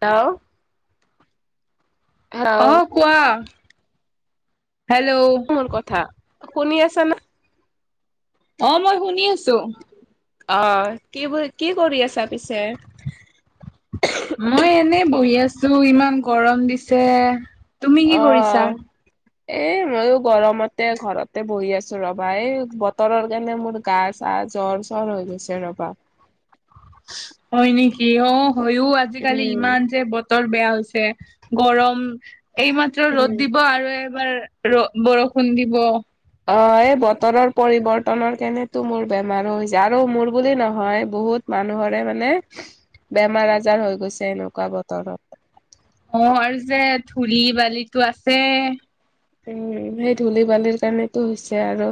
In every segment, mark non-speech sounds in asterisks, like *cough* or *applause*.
লাও। অ কোৱা। হেল্ল'। মোৰ কথা শুনি আছে ন। অ মই শুনি আছো। আহ কি বুলি কি কৰি আছা পিছে। মই এনেই বহি আছো ইমান গৰম দিছে। তুমি কি অ কৰিছা। এ মইো গৰমতে ঘৰতে বহি আছো ৰবা এই বতৰৰ কাৰণে মোৰ গা। কা জ্বৰ চৰ হৈ গৈছে ৰবা। হয় নেকি অ হয়ও আজিকালি উম ইমান যে বতৰ। বেয়া হৈছে গৰম এইমাত্ৰ ৰ'দ উম। দিব আৰু এবাৰ। ৰ বৰষুণ দিব। অ এই বতৰৰ পৰিৱৰ্তনৰ কাৰণেতো মোৰ বেমাৰো হৈছে আৰু মোৰ বুলি নহয় বহুত। মানুহৰে মানে বেমাৰ আজাৰ হৈ গৈছে এনেকুৱা বতৰত। বি বালিতো আছে। উম সেই ধূলি বালিৰ কাৰণেতো হৈছে আৰু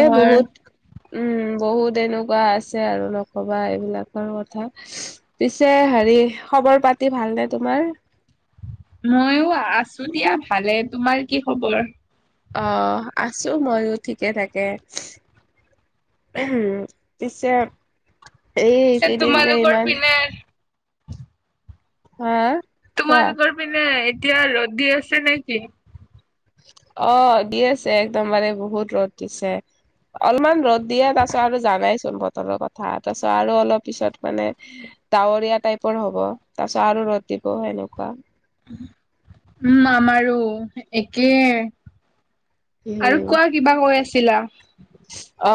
এ বহুত। উম বহুত এনেকুৱা আছে আৰু নকবা এইবিলাকৰ কথা। পিছে হেৰি খবৰ পাতি ভালনে তোমাৰ ময়ো আছো দিয়া ভালে তোমাৰ কি খবৰ। অ আছো ময়ো ঠিকে থাকে। পিছে পিছে এইকেইদিন যে তোমালোকৰ ইমান। পিনে হা। কোৱা? তোমালোকৰ পিনে এতিয়া ৰ'দ দি আছে নেকি। অ দি আছে একদমবাৰে বহুত ৰ'দ দিছে। অলপমান ৰ'দ দিয়ে তাৰপাছত আৰু জানাইচোন বতৰৰ কথা তাৰপাছত আৰু অলপ পিছত মানে। ডাৱৰীয়া টাইপৰ হ'ব তাৰ পিছত আৰু ৰ'দ দিব সেনেকুৱা। উম আমাৰো একেই। আৰু উম কোৱা কিবা কৈ আছিলা।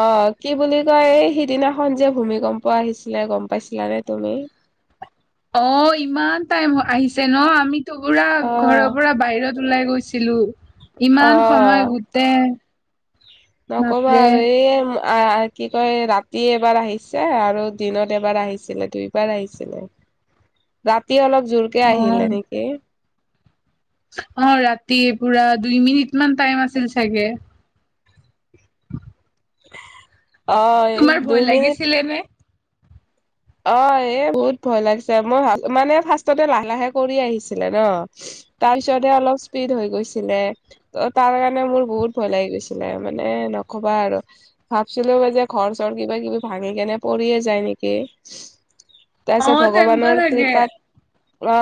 অ কি বুলি কয় এই সিদিনাখন যে ভূমি কম্প আহিছিলে গম পাইছিলানে তুমি। *unintelligible* অ ইমান টাইম আহিছে ন আমিতো পুৰা ঘৰৰ অ' পৰা বাহিৰত। উলাই গৈছিলো ইমান সময় অ' গোটে। নকবা আৰু এই। আ কি কয় ৰাতি এবাৰ আহিছে আৰু দিনত এবাৰ আহিছিলে দুইবাৰ আহিছিলে। ৰাতি অলপ জোৰকে অ আহিলে নেকি অ ৰাতি পুৰা দুই মিনিট মান টাইম আছিল চাগে। অ তোমাৰ দুই ভয় মিনিট লাগিছিলে নে? অ এ বহুত ভয় লাগিছে মোৰ মানে ফাৰ্ষ্টতে লাহে লাহে কৰি আহিছিলে ন। তাৰপিছতহে অলপ স্পীড হৈ গৈছিলে ত তাৰ কাৰণে মোৰ বহুত ভয় লাগি গৈছিলে মানে। নকবা আৰু ভাবছিলো যে ঘৰ চৰ কিবা কিবি ভাঙি কেনে পৰিয়ে যায় নেকি। অ তাৰপিছত তেনেকুৱা ভগৱানৰ লাগে। কৃপাত অ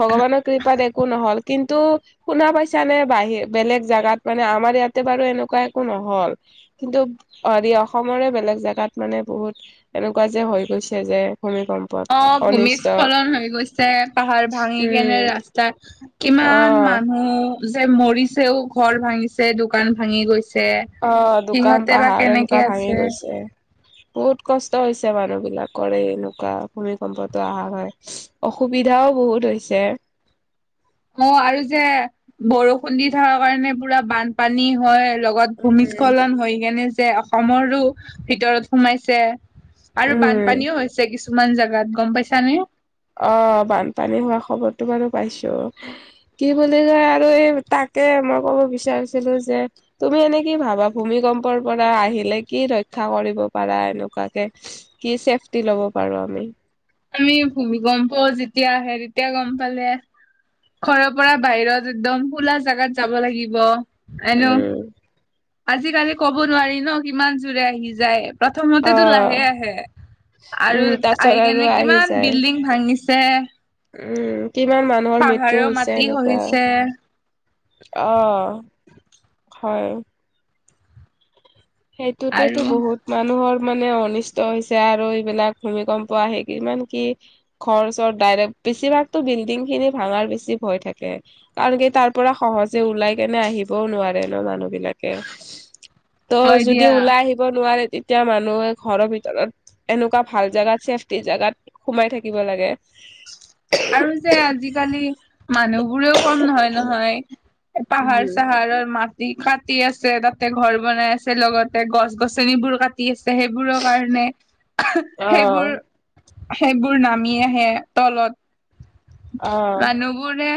ভগৱানৰ কৃপাত একো নহ'ল। কিন্তু শুনা পাইছানে বাহি বেলেগ জোগাত মানে আমাৰ ইয়াতে বাৰু এনেকুৱা একো নহল। কিন্তু হেৰি অসমৰে বেলেগ জেগাত মানে বহুত এনেকুৱা যে হৈ গৈছে। যে ভূমিকম্পত অ অনিষ্ট ভূমিস্খলন হৈ গৈছে পাহাৰ ভাঙি কেনে উম ৰাস্তা কিমান অ', মান মানুহ যে মৰিছেও ঘৰ ভাঙিছে দোকান ভাঙি গৈছে। অ দোকান সিহঁতে বা পাহাৰ কেনেকে এনেকুৱা ভাঙি আছে গৈছে। বহুত কষ্ট হৈছে মানুহ বিলাকৰে এনেকুৱা ভূমিকম্পটো অহা কাৰণে অসুবিধা বিধাও বহুত হৈছে। অ আৰু যে বৰষুণ দি থকা কাৰণে পুৰা বানপানী হয়। লগত উম ভূমিস্খলন হৈ কেনে যে অসমৰো ভিতৰত সোমাইছে। আৰু উম বানপানীও হৈছে কিছুমান জাগাত গম পাইছানে। অ বানপানী হোৱা খবৰটো বাৰু পাইছো কি বুলি কয় আৰু এই তাক তে মই কব বিচাৰিছিলো যে তুমি এনে কি ভাবা ভূমিকম্পৰ পৰা আহিলে কি ৰক্ষ ক্ষা কৰিব পাৰা এনেকুৱাতে কি চেফটি লব পাৰো আমি? আমি ভূমিকম্প যেতিয়া আহে তেতিয়া গম পালে ঘৰৰ পৰা বাহিৰত একদম খোলা জাগাত যাব লাগিব। এনেও উম আজিকালি কব নোৱাৰি ন কিমান জোৰে আহি যায়। অ প্ৰথমতেতো লাহে আহে। আৰু উম তাৰপিছত আহি আৰু কেনে আহি কিমান যায় বিল্ডিং ভাঙিছে। উম কিমান মানুহৰ মৃত্যু পাহাৰৰ হৈছে মাটি এনেকুৱা খহিছে অ। হয়। সেইটোতেতো আৰু বহুত মানুহৰ মানে অনিষ্ট হৈছে আৰু এইবিলাক ভূমিকম্প আহেই কিমান কি ঘৰচৰ ডাইৰেক্ট বেছিভাগতো বিল্ডিং খিনি ভাঙাৰ বেছি ভয় থাকে কাৰন কি তাৰ পৰা সহজে ওলাই কেনে আহি দিবও নোৱাৰে ন মানুহ বিলাকে ত হয় যদি দিয়া ওলাই আহিব নোৱাৰে তে তিয়া মানুহে ঘৰৰ ভিতৰত এনেকুৱা ভাল জাগাত ছেফ্টি জাগাত সোমাই থাকিব লাগে। *inaudible* আৰু যে আজিকালি মানুহ বোৰেও কম নহয় নহয়। পাহাৰ চাহাৰৰ মাটি কাটি আছে তাতে ঘৰ বনাই আছে লগতে গছ গছনিবোৰ কাটি আছে। সেইবোৰৰ কাৰণে সেইবোৰ অ', সেইবোৰ নামি আহে তলত অ', মানুহবোৰে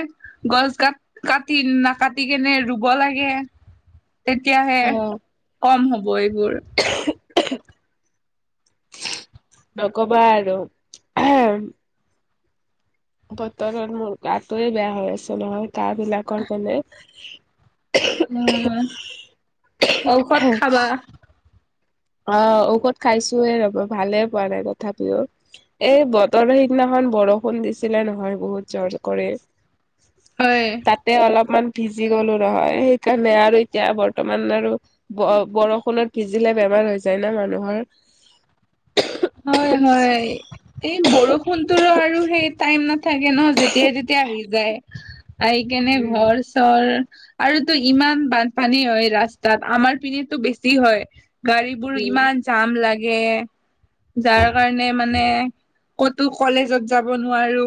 গছ কাট কাটি নাকাটি কেনে ৰুব লাগে। তেতিয়াহে অ', কম হ'ব এইবোৰ। নকবা আৰু। বতৰত মোৰ গাটোয়ে বেয়া হৈ আছে নহয় গাহ বিলাকৰ কাৰণে উম ঔষধ খাবা। অ ঔষধ খাইছোয়ে ৰ'ব ভালে পোৱা নাই তথাপিও এই বতৰ সিদিনাখন অমান বৰষুণ দিছিলে নহয় বহুত জোৰ কৰি হয় তাতে অলপমান ভিজি গ'লো নহয় সেইকাৰণে আৰু এতিয়া বৰ্তমান আৰু ব বৰষুণত ভিজিলে। বেমাৰ হৈ যায় না মানুহৰ। হয় হয় এই বৰষুণটোৰো আৰু সেই টাইম ন থাকে ন যেতিয়াই তেতিয়াাই আহি যায় আহি কেনে উম ঘৰ চৰ আৰুতো ইমান বানপানী হয় ৰাস্তাত আমাৰ পিনেতো বেছি হয়। গাড়ীবোৰ উম ইমান জাম লাগে। যাৰ কাৰণে মানে ক'তো কলেজত যাব নোৱাৰো।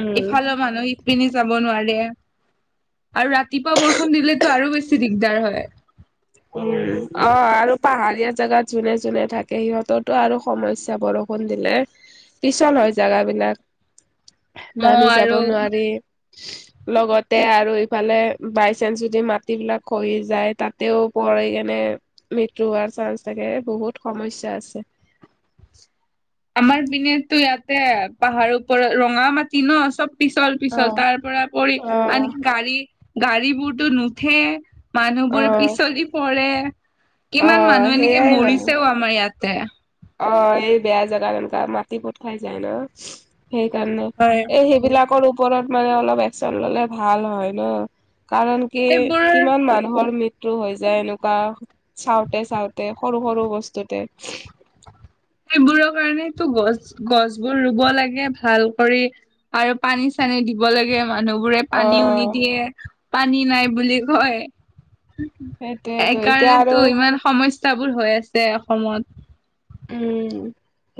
উম ইফালৰ মানুহ ইপিনি যাব নোৱাৰে। আৰু ৰাতিপুৱা বৰষুণ দিলেটো আৰু বেছি দিগদাৰ হয়। উম অ আৰু পাহাৰীয়া জেগাত যোনে যোনে থাকে সিহঁতো আৰু সমস্যা বৰষুণ দিলে। পিছল হয় জেগাবলাক অ নামি যাব আৰু নোৱাৰি। লগতে আৰু ইফালে বাই চানস যদি মাটিবিলাক খহি যায় তাতেও। পৰে কেনে মৃত্যু হোৱাৰ চান্স থাকে বহুত সমস্যা আছে। *inaudible* আমাৰ পিনেতো ইয়াতে পাহাৰৰ ওপৰত ৰঙা মাটি ন চব। পিছল পিছল অ', তাৰ পৰা পৰি অ', আনকি গাড়ী গাড়ী বোৰতো নুঠে। মানুহবোৰ অ', পিছলি পৰে কিমান অ', মানুহ এনেকে সেইয়াই হয়। মৰিছেও আমাৰ ইয়াত। তে। অ এই বেয়া জেগা তেনেকুৱা মাটি পোত খাই যায় ন। সেইকাৰণে হয় এই সেইবিলাকৰ ওপৰত মানে অলপ একচন ললে ভাল হয় ন। কাৰণ কি সেইবোৰ কিমান মানুহৰ মৃত্যু। টো হৈ যায় এনেকুৱা চাওঁতে চাওঁতে সৰু সৰু বস্তুতে। সেইবোৰৰ কাৰণেটো গছ গছ বোৰ ৰুব লাগে ভাল কৰি আৰু পানী চাই। দিব লাগে মানুহবোৰে পানীও অ', নিদিয়ে পানী নাই বুলি কয়। সেইটোয়েতো এতিয়া আৰু এইকাৰণেতো ইমান সমস্যাবোৰ হৈ আছে অসমত। উম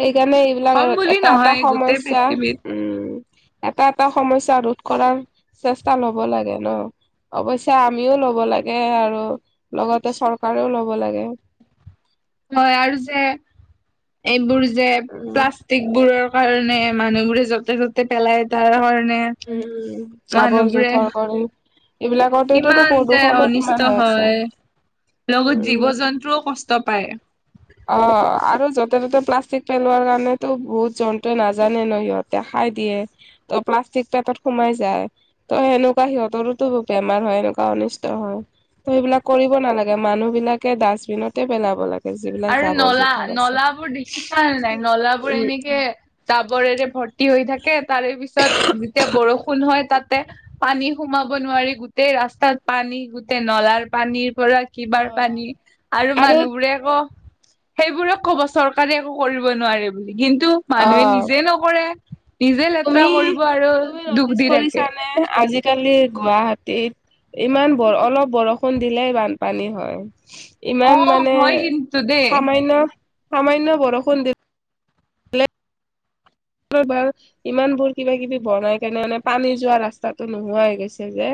সেইকাৰণে এইবিলাক অসম বুলি এটা এটা নহয় গোটেই সমস্যা পৃথিৱীত উম। এটা এটা সমস্যা ৰোধ কৰাৰ চেষ্টা লব লাগে ন। অৱশ্যে আমিও লব লাগে আৰু। লগতে চৰকাৰেও ল'ব লাগে। হয় আৰু যে এইবোৰ যে উম প্লাষ্টিক বোৰৰ। কাৰণে মানুহবোৰে য'তে ত'তে পেলাই তাৰ হয়। উম জাবৰ জোথৰ কৰে। এইবিলাকতেটোতো কিমান যে প্ৰদূ্ষণো অনিষ্ট কিমান হৈ আছে। হয় লগত জীৱ উম জন্তুও কষ্ট পায়। অ আৰু যতে ততে প্লাষ্টিক পেলোৱাৰ কাৰণেতো বহুত জন্তুৱে নাজানে ন সিহঁতে। খাই দিয়ে ত প্লাষ্টিক পেটত সোমাই যায় ত সেনেকুৱা সিহঁতৰোতো বেমাৰ হয়। তেনেকুৱা অনিষ্ট হয় ত সেইবিলাক কৰিব নালাগে মানুহ বিলাকে ডাষ্টবিনতে পেলাব লাগে। যিবিলাক আৰু জাবৰ নলা জোথৰ আছে। নলাবোৰ দেখিছা নাই নলাবোৰ উম এনেকে। টাবৰেৰে ভৰ্তি হৈ থাকে তাৰে পিছত যেতিয়া বৰষুণ হয় তাত। তে পানী সোমাব নোৱাৰি গোটেই ৰাস্তাত পানী গোটেই নলাৰ পানীৰ। কৰা কিবাৰ পানী আৰু মানুহ বোৰে ক। সেইবোৰক কব চৰকাৰে একো কৰিব নোৱাৰে বুলি কিন্তু মানুহে অ নিজে নকৰে। নিজে লেতেৰা তুমি কৰিব আৰু তুমি দুখ নটিচ দি থাকে কৰিছানে আজিকালি। গুৱাহাটীত ইমান বৰ অলপ বৰষুণ দিলেই বানপানী হয়। অ ইমান মানে হয় কিন্তু দেই সামান্য সামান্য বৰষুণ দিল। বাৰ ইমান বোৰ কিবা কিবি বনাই কাৰনে মানে পানী যোৱা ৰাস্তাতো নোহোৱা হৈ গৈছে যে।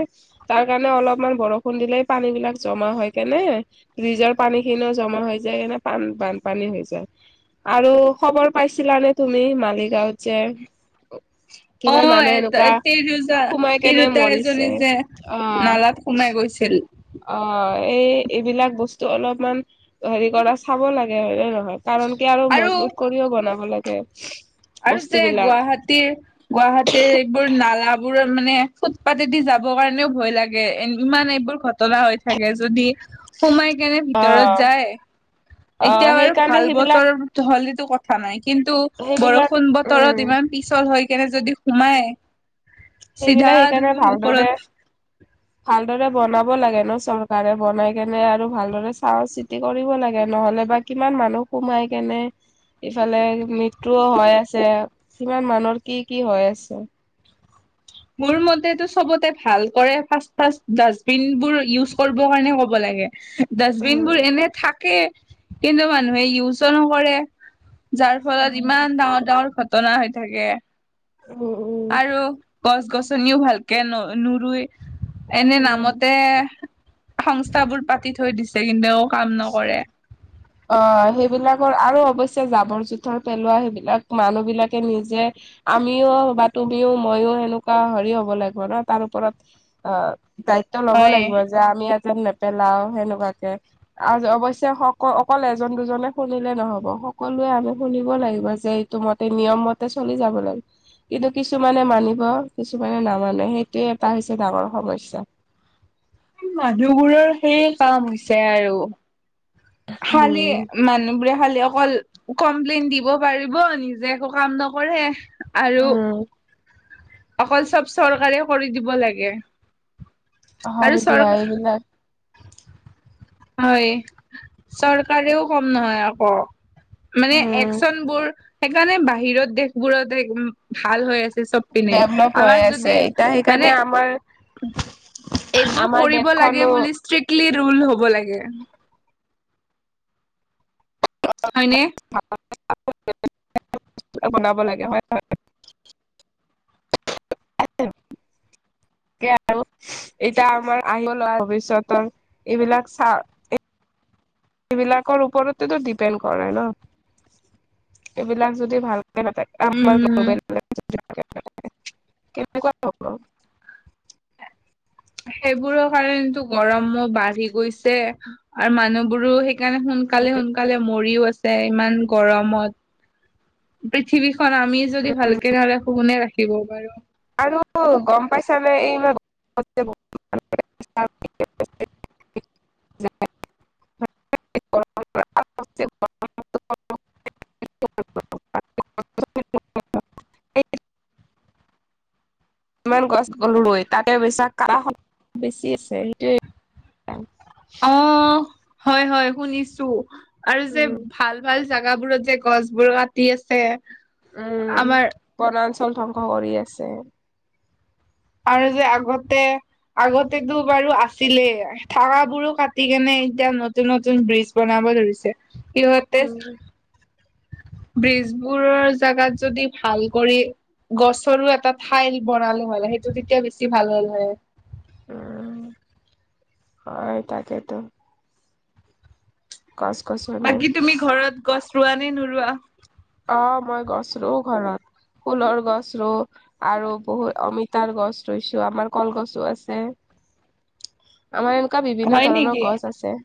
তাৰ কাৰণে অলপমান বৰষুণ দিলেই পানী বিলাক জমা হয় কেনে ব্ৰিজৰ পানী খিনিও জ। মা হৈ যায় কেনে বানপানী হৈ যায় আৰু খবৰ পাইছিলা নে তুমি মানে। যাছে অ এ তিৰজা সোমাই কেনে তিৰোতাই মৰিছে। জ্বলিছে। অ' নালাত সোমাই গৈছিল। অ এই এইবিলাক বস্তু অলপমান হেৰি কৰা চাব লাগে হয় নে ন। কাৰণ কি আৰু মজবুত কৰিও বনাব লাগে। আৰু যে বস্তুবিলাক গুৱাহাটীৰ গুৱাহাটীৰ এইবোৰ নালা। বোৰ মানে ফুটপাতেদি যাবৰ কাৰণেও ভয় লাগে এ ইমান এইবোৰ ঘটনা হৈ থাকে যদি। সোমাই কেনে ভিতৰত অ' যায়। এতিয়া অ' বাৰু সেইকাৰণে ভাল সেইবিলাক বতৰ হ'লেতো কথা নাই কিন্তু সেইবিলাক বৰষুণ উম, বতৰত ইমান। পিছল হৈ কেনে যদি সোমাই- চিধা সেইবিলাক সেইকাৰণে দেখোন ওপৰত ভালদৰে- ভালদৰে বনাব লাগে ন চৰকাৰে বনাই কেনে আৰু ভালদৰে চাই চিতি কৰিব লাগে- নহলে বা কিমান মানুহ সোমাই কেনে- ইফালে মৃত্যুও হৈ আছে কিমান মানুহৰ কি কি হৈ আছে মোৰ মতেতটো চবতে ভাল কৰে ফাচ ফাচ ডাষ্টবিন বোৰ ইজ কৰিব কাৰণে ক'ব লাগ গে ডাষ্টবিন বোৰ উম, এনে থাকে কিন্তু মানুহে ইউজো নকৰে যাৰ ফলত উম। ইমান ডাঙৰ ডাঙৰ ঘটনা হৈ থাকে উম উম আৰু গছ গছনিও ভালকে ন নৰুই এনে উম নামতে সংস্থাবোৰ পাতি থৈ দিছে ছে কিন্তু কাম নকৰে। অ সেইবিলাকৰ আৰু অৱশ্য জাবৰ জোথৰ পেলোৱা সেইবিলাক মানুহ বিলাকে নিজে আমিও বা তুমিও মইও সেনেকুৱা হেৰি হ'ব লাগিব ন তাৰ ওপৰত অ দায়িত্ব লব হয় লাগিব যে আমি যেন নেপেলাও সেনেকুৱাকে আৰু অৱশ্য ক অকল এজন দুজনে শুনিলে নহব সকলোৱে আমি শুনিব লাগিব যে এইটো মতে নিয়ম মতে চলি যাব লাগে কিন্তু কিছুমানে মানিব কিছুমানে নামানে সেইটোৱে এটা হৈছে ডাঙৰ সমস্যা। *inaudible* মানুহবোৰৰ সেইয় কাম হৈছে আৰু। খালি উম মানুহবোৰে ভালে অকল কমপ্লেইন দিব পাৰিব নিজে একো কাম নকৰে আৰু উম অকল চব চৰকাৰে কৰি দিব লাগে হয় আৰু চৰ দিয়া এইবিলাক হয় চৰকাৰেও কম নহয় আকৌ মানে উম একচন বোৰ সেইকাৰণে বাহিৰত দেশবোৰত ভাল হৈ আছে চব পিনে ডেভলপ হৈ আমাৰ আছে যদি এতিয়া মানে সেইকাৰণে আমাৰ এইবোৰ আমাৰ কৰিব লাগে দেশখনো বুলি ষ্ট্ৰিক লি ৰুল হ'ব লাগে হয়নে? *unintelligible* বনাব লাগে হয় হয় *unintelligible* তাকে আৰু এতিয়া আমাৰ আহ লোৱা ভৱিষ্যতৰ এইবিলাক চা ই। *unintelligible* সেইবিলাকৰ ওপৰতেতো ডিপেণ্ড কৰে ন এইবিলাক যদি ভাল আ গ্ উম *unintelligible* *unintelligible* কেনেকুৱা হব। *unintelligible* সেইবোৰৰ কাৰণো গৰমো বাঢ়ি গৈছে আৰু মানুহবোৰো হে- সেইকাৰণে সোনকালে সোনকালে মৰিও আছে ইমান গৰমত পৃথিৱী- খন আমি যদি ভালকে নাৰাখো কোনে ৰাখিব পাৰো আৰু গম পাইছানে এইবাৰ - *unintelligible* *unintelligible* *unintelligible* কিমান গছ অৰুএই তাতে বৈছ কা বেছি আছে সেইটোৱেই। অ হয় হয় শুনিছোঁ আৰু যে উম ভাল ভাল জোগা বোৰত যে গছ বোৰ কাটি আছে উম আমাৰ বনাঞ্চল ধ্বংস কৰি আছে আৰু যে আগতে আগতেতো বাৰু আছিলে থাকাবোৰো কাটি কেনে- এতিয়া নতুন নতুন ব্ৰিজ বনাব ধৰিছে সিহঁতে। উম ব্ৰিজবোৰৰ জোগাত যদি ভাল কৰি। গছৰো এটা ঠাইল বনালে মানলে সেইটো তেতিয়া বেছি ভাল হ'ল হয়। উম হয় তাকেতো। গছ গছনি বাকী তুমি ঘৰত গছ ৰোৱা নে নোৰোৱা। অ মই গছ ৰো ঘৰত। ফুলৰ গছ ৰো আৰু বহুত অমিতাৰ গছ ৰোইছো আমাৰ কলগছো আছে। আমাৰ এনেকুৱা বিভিন্ন হয় ধৰণৰ নেকি? গছ আছে।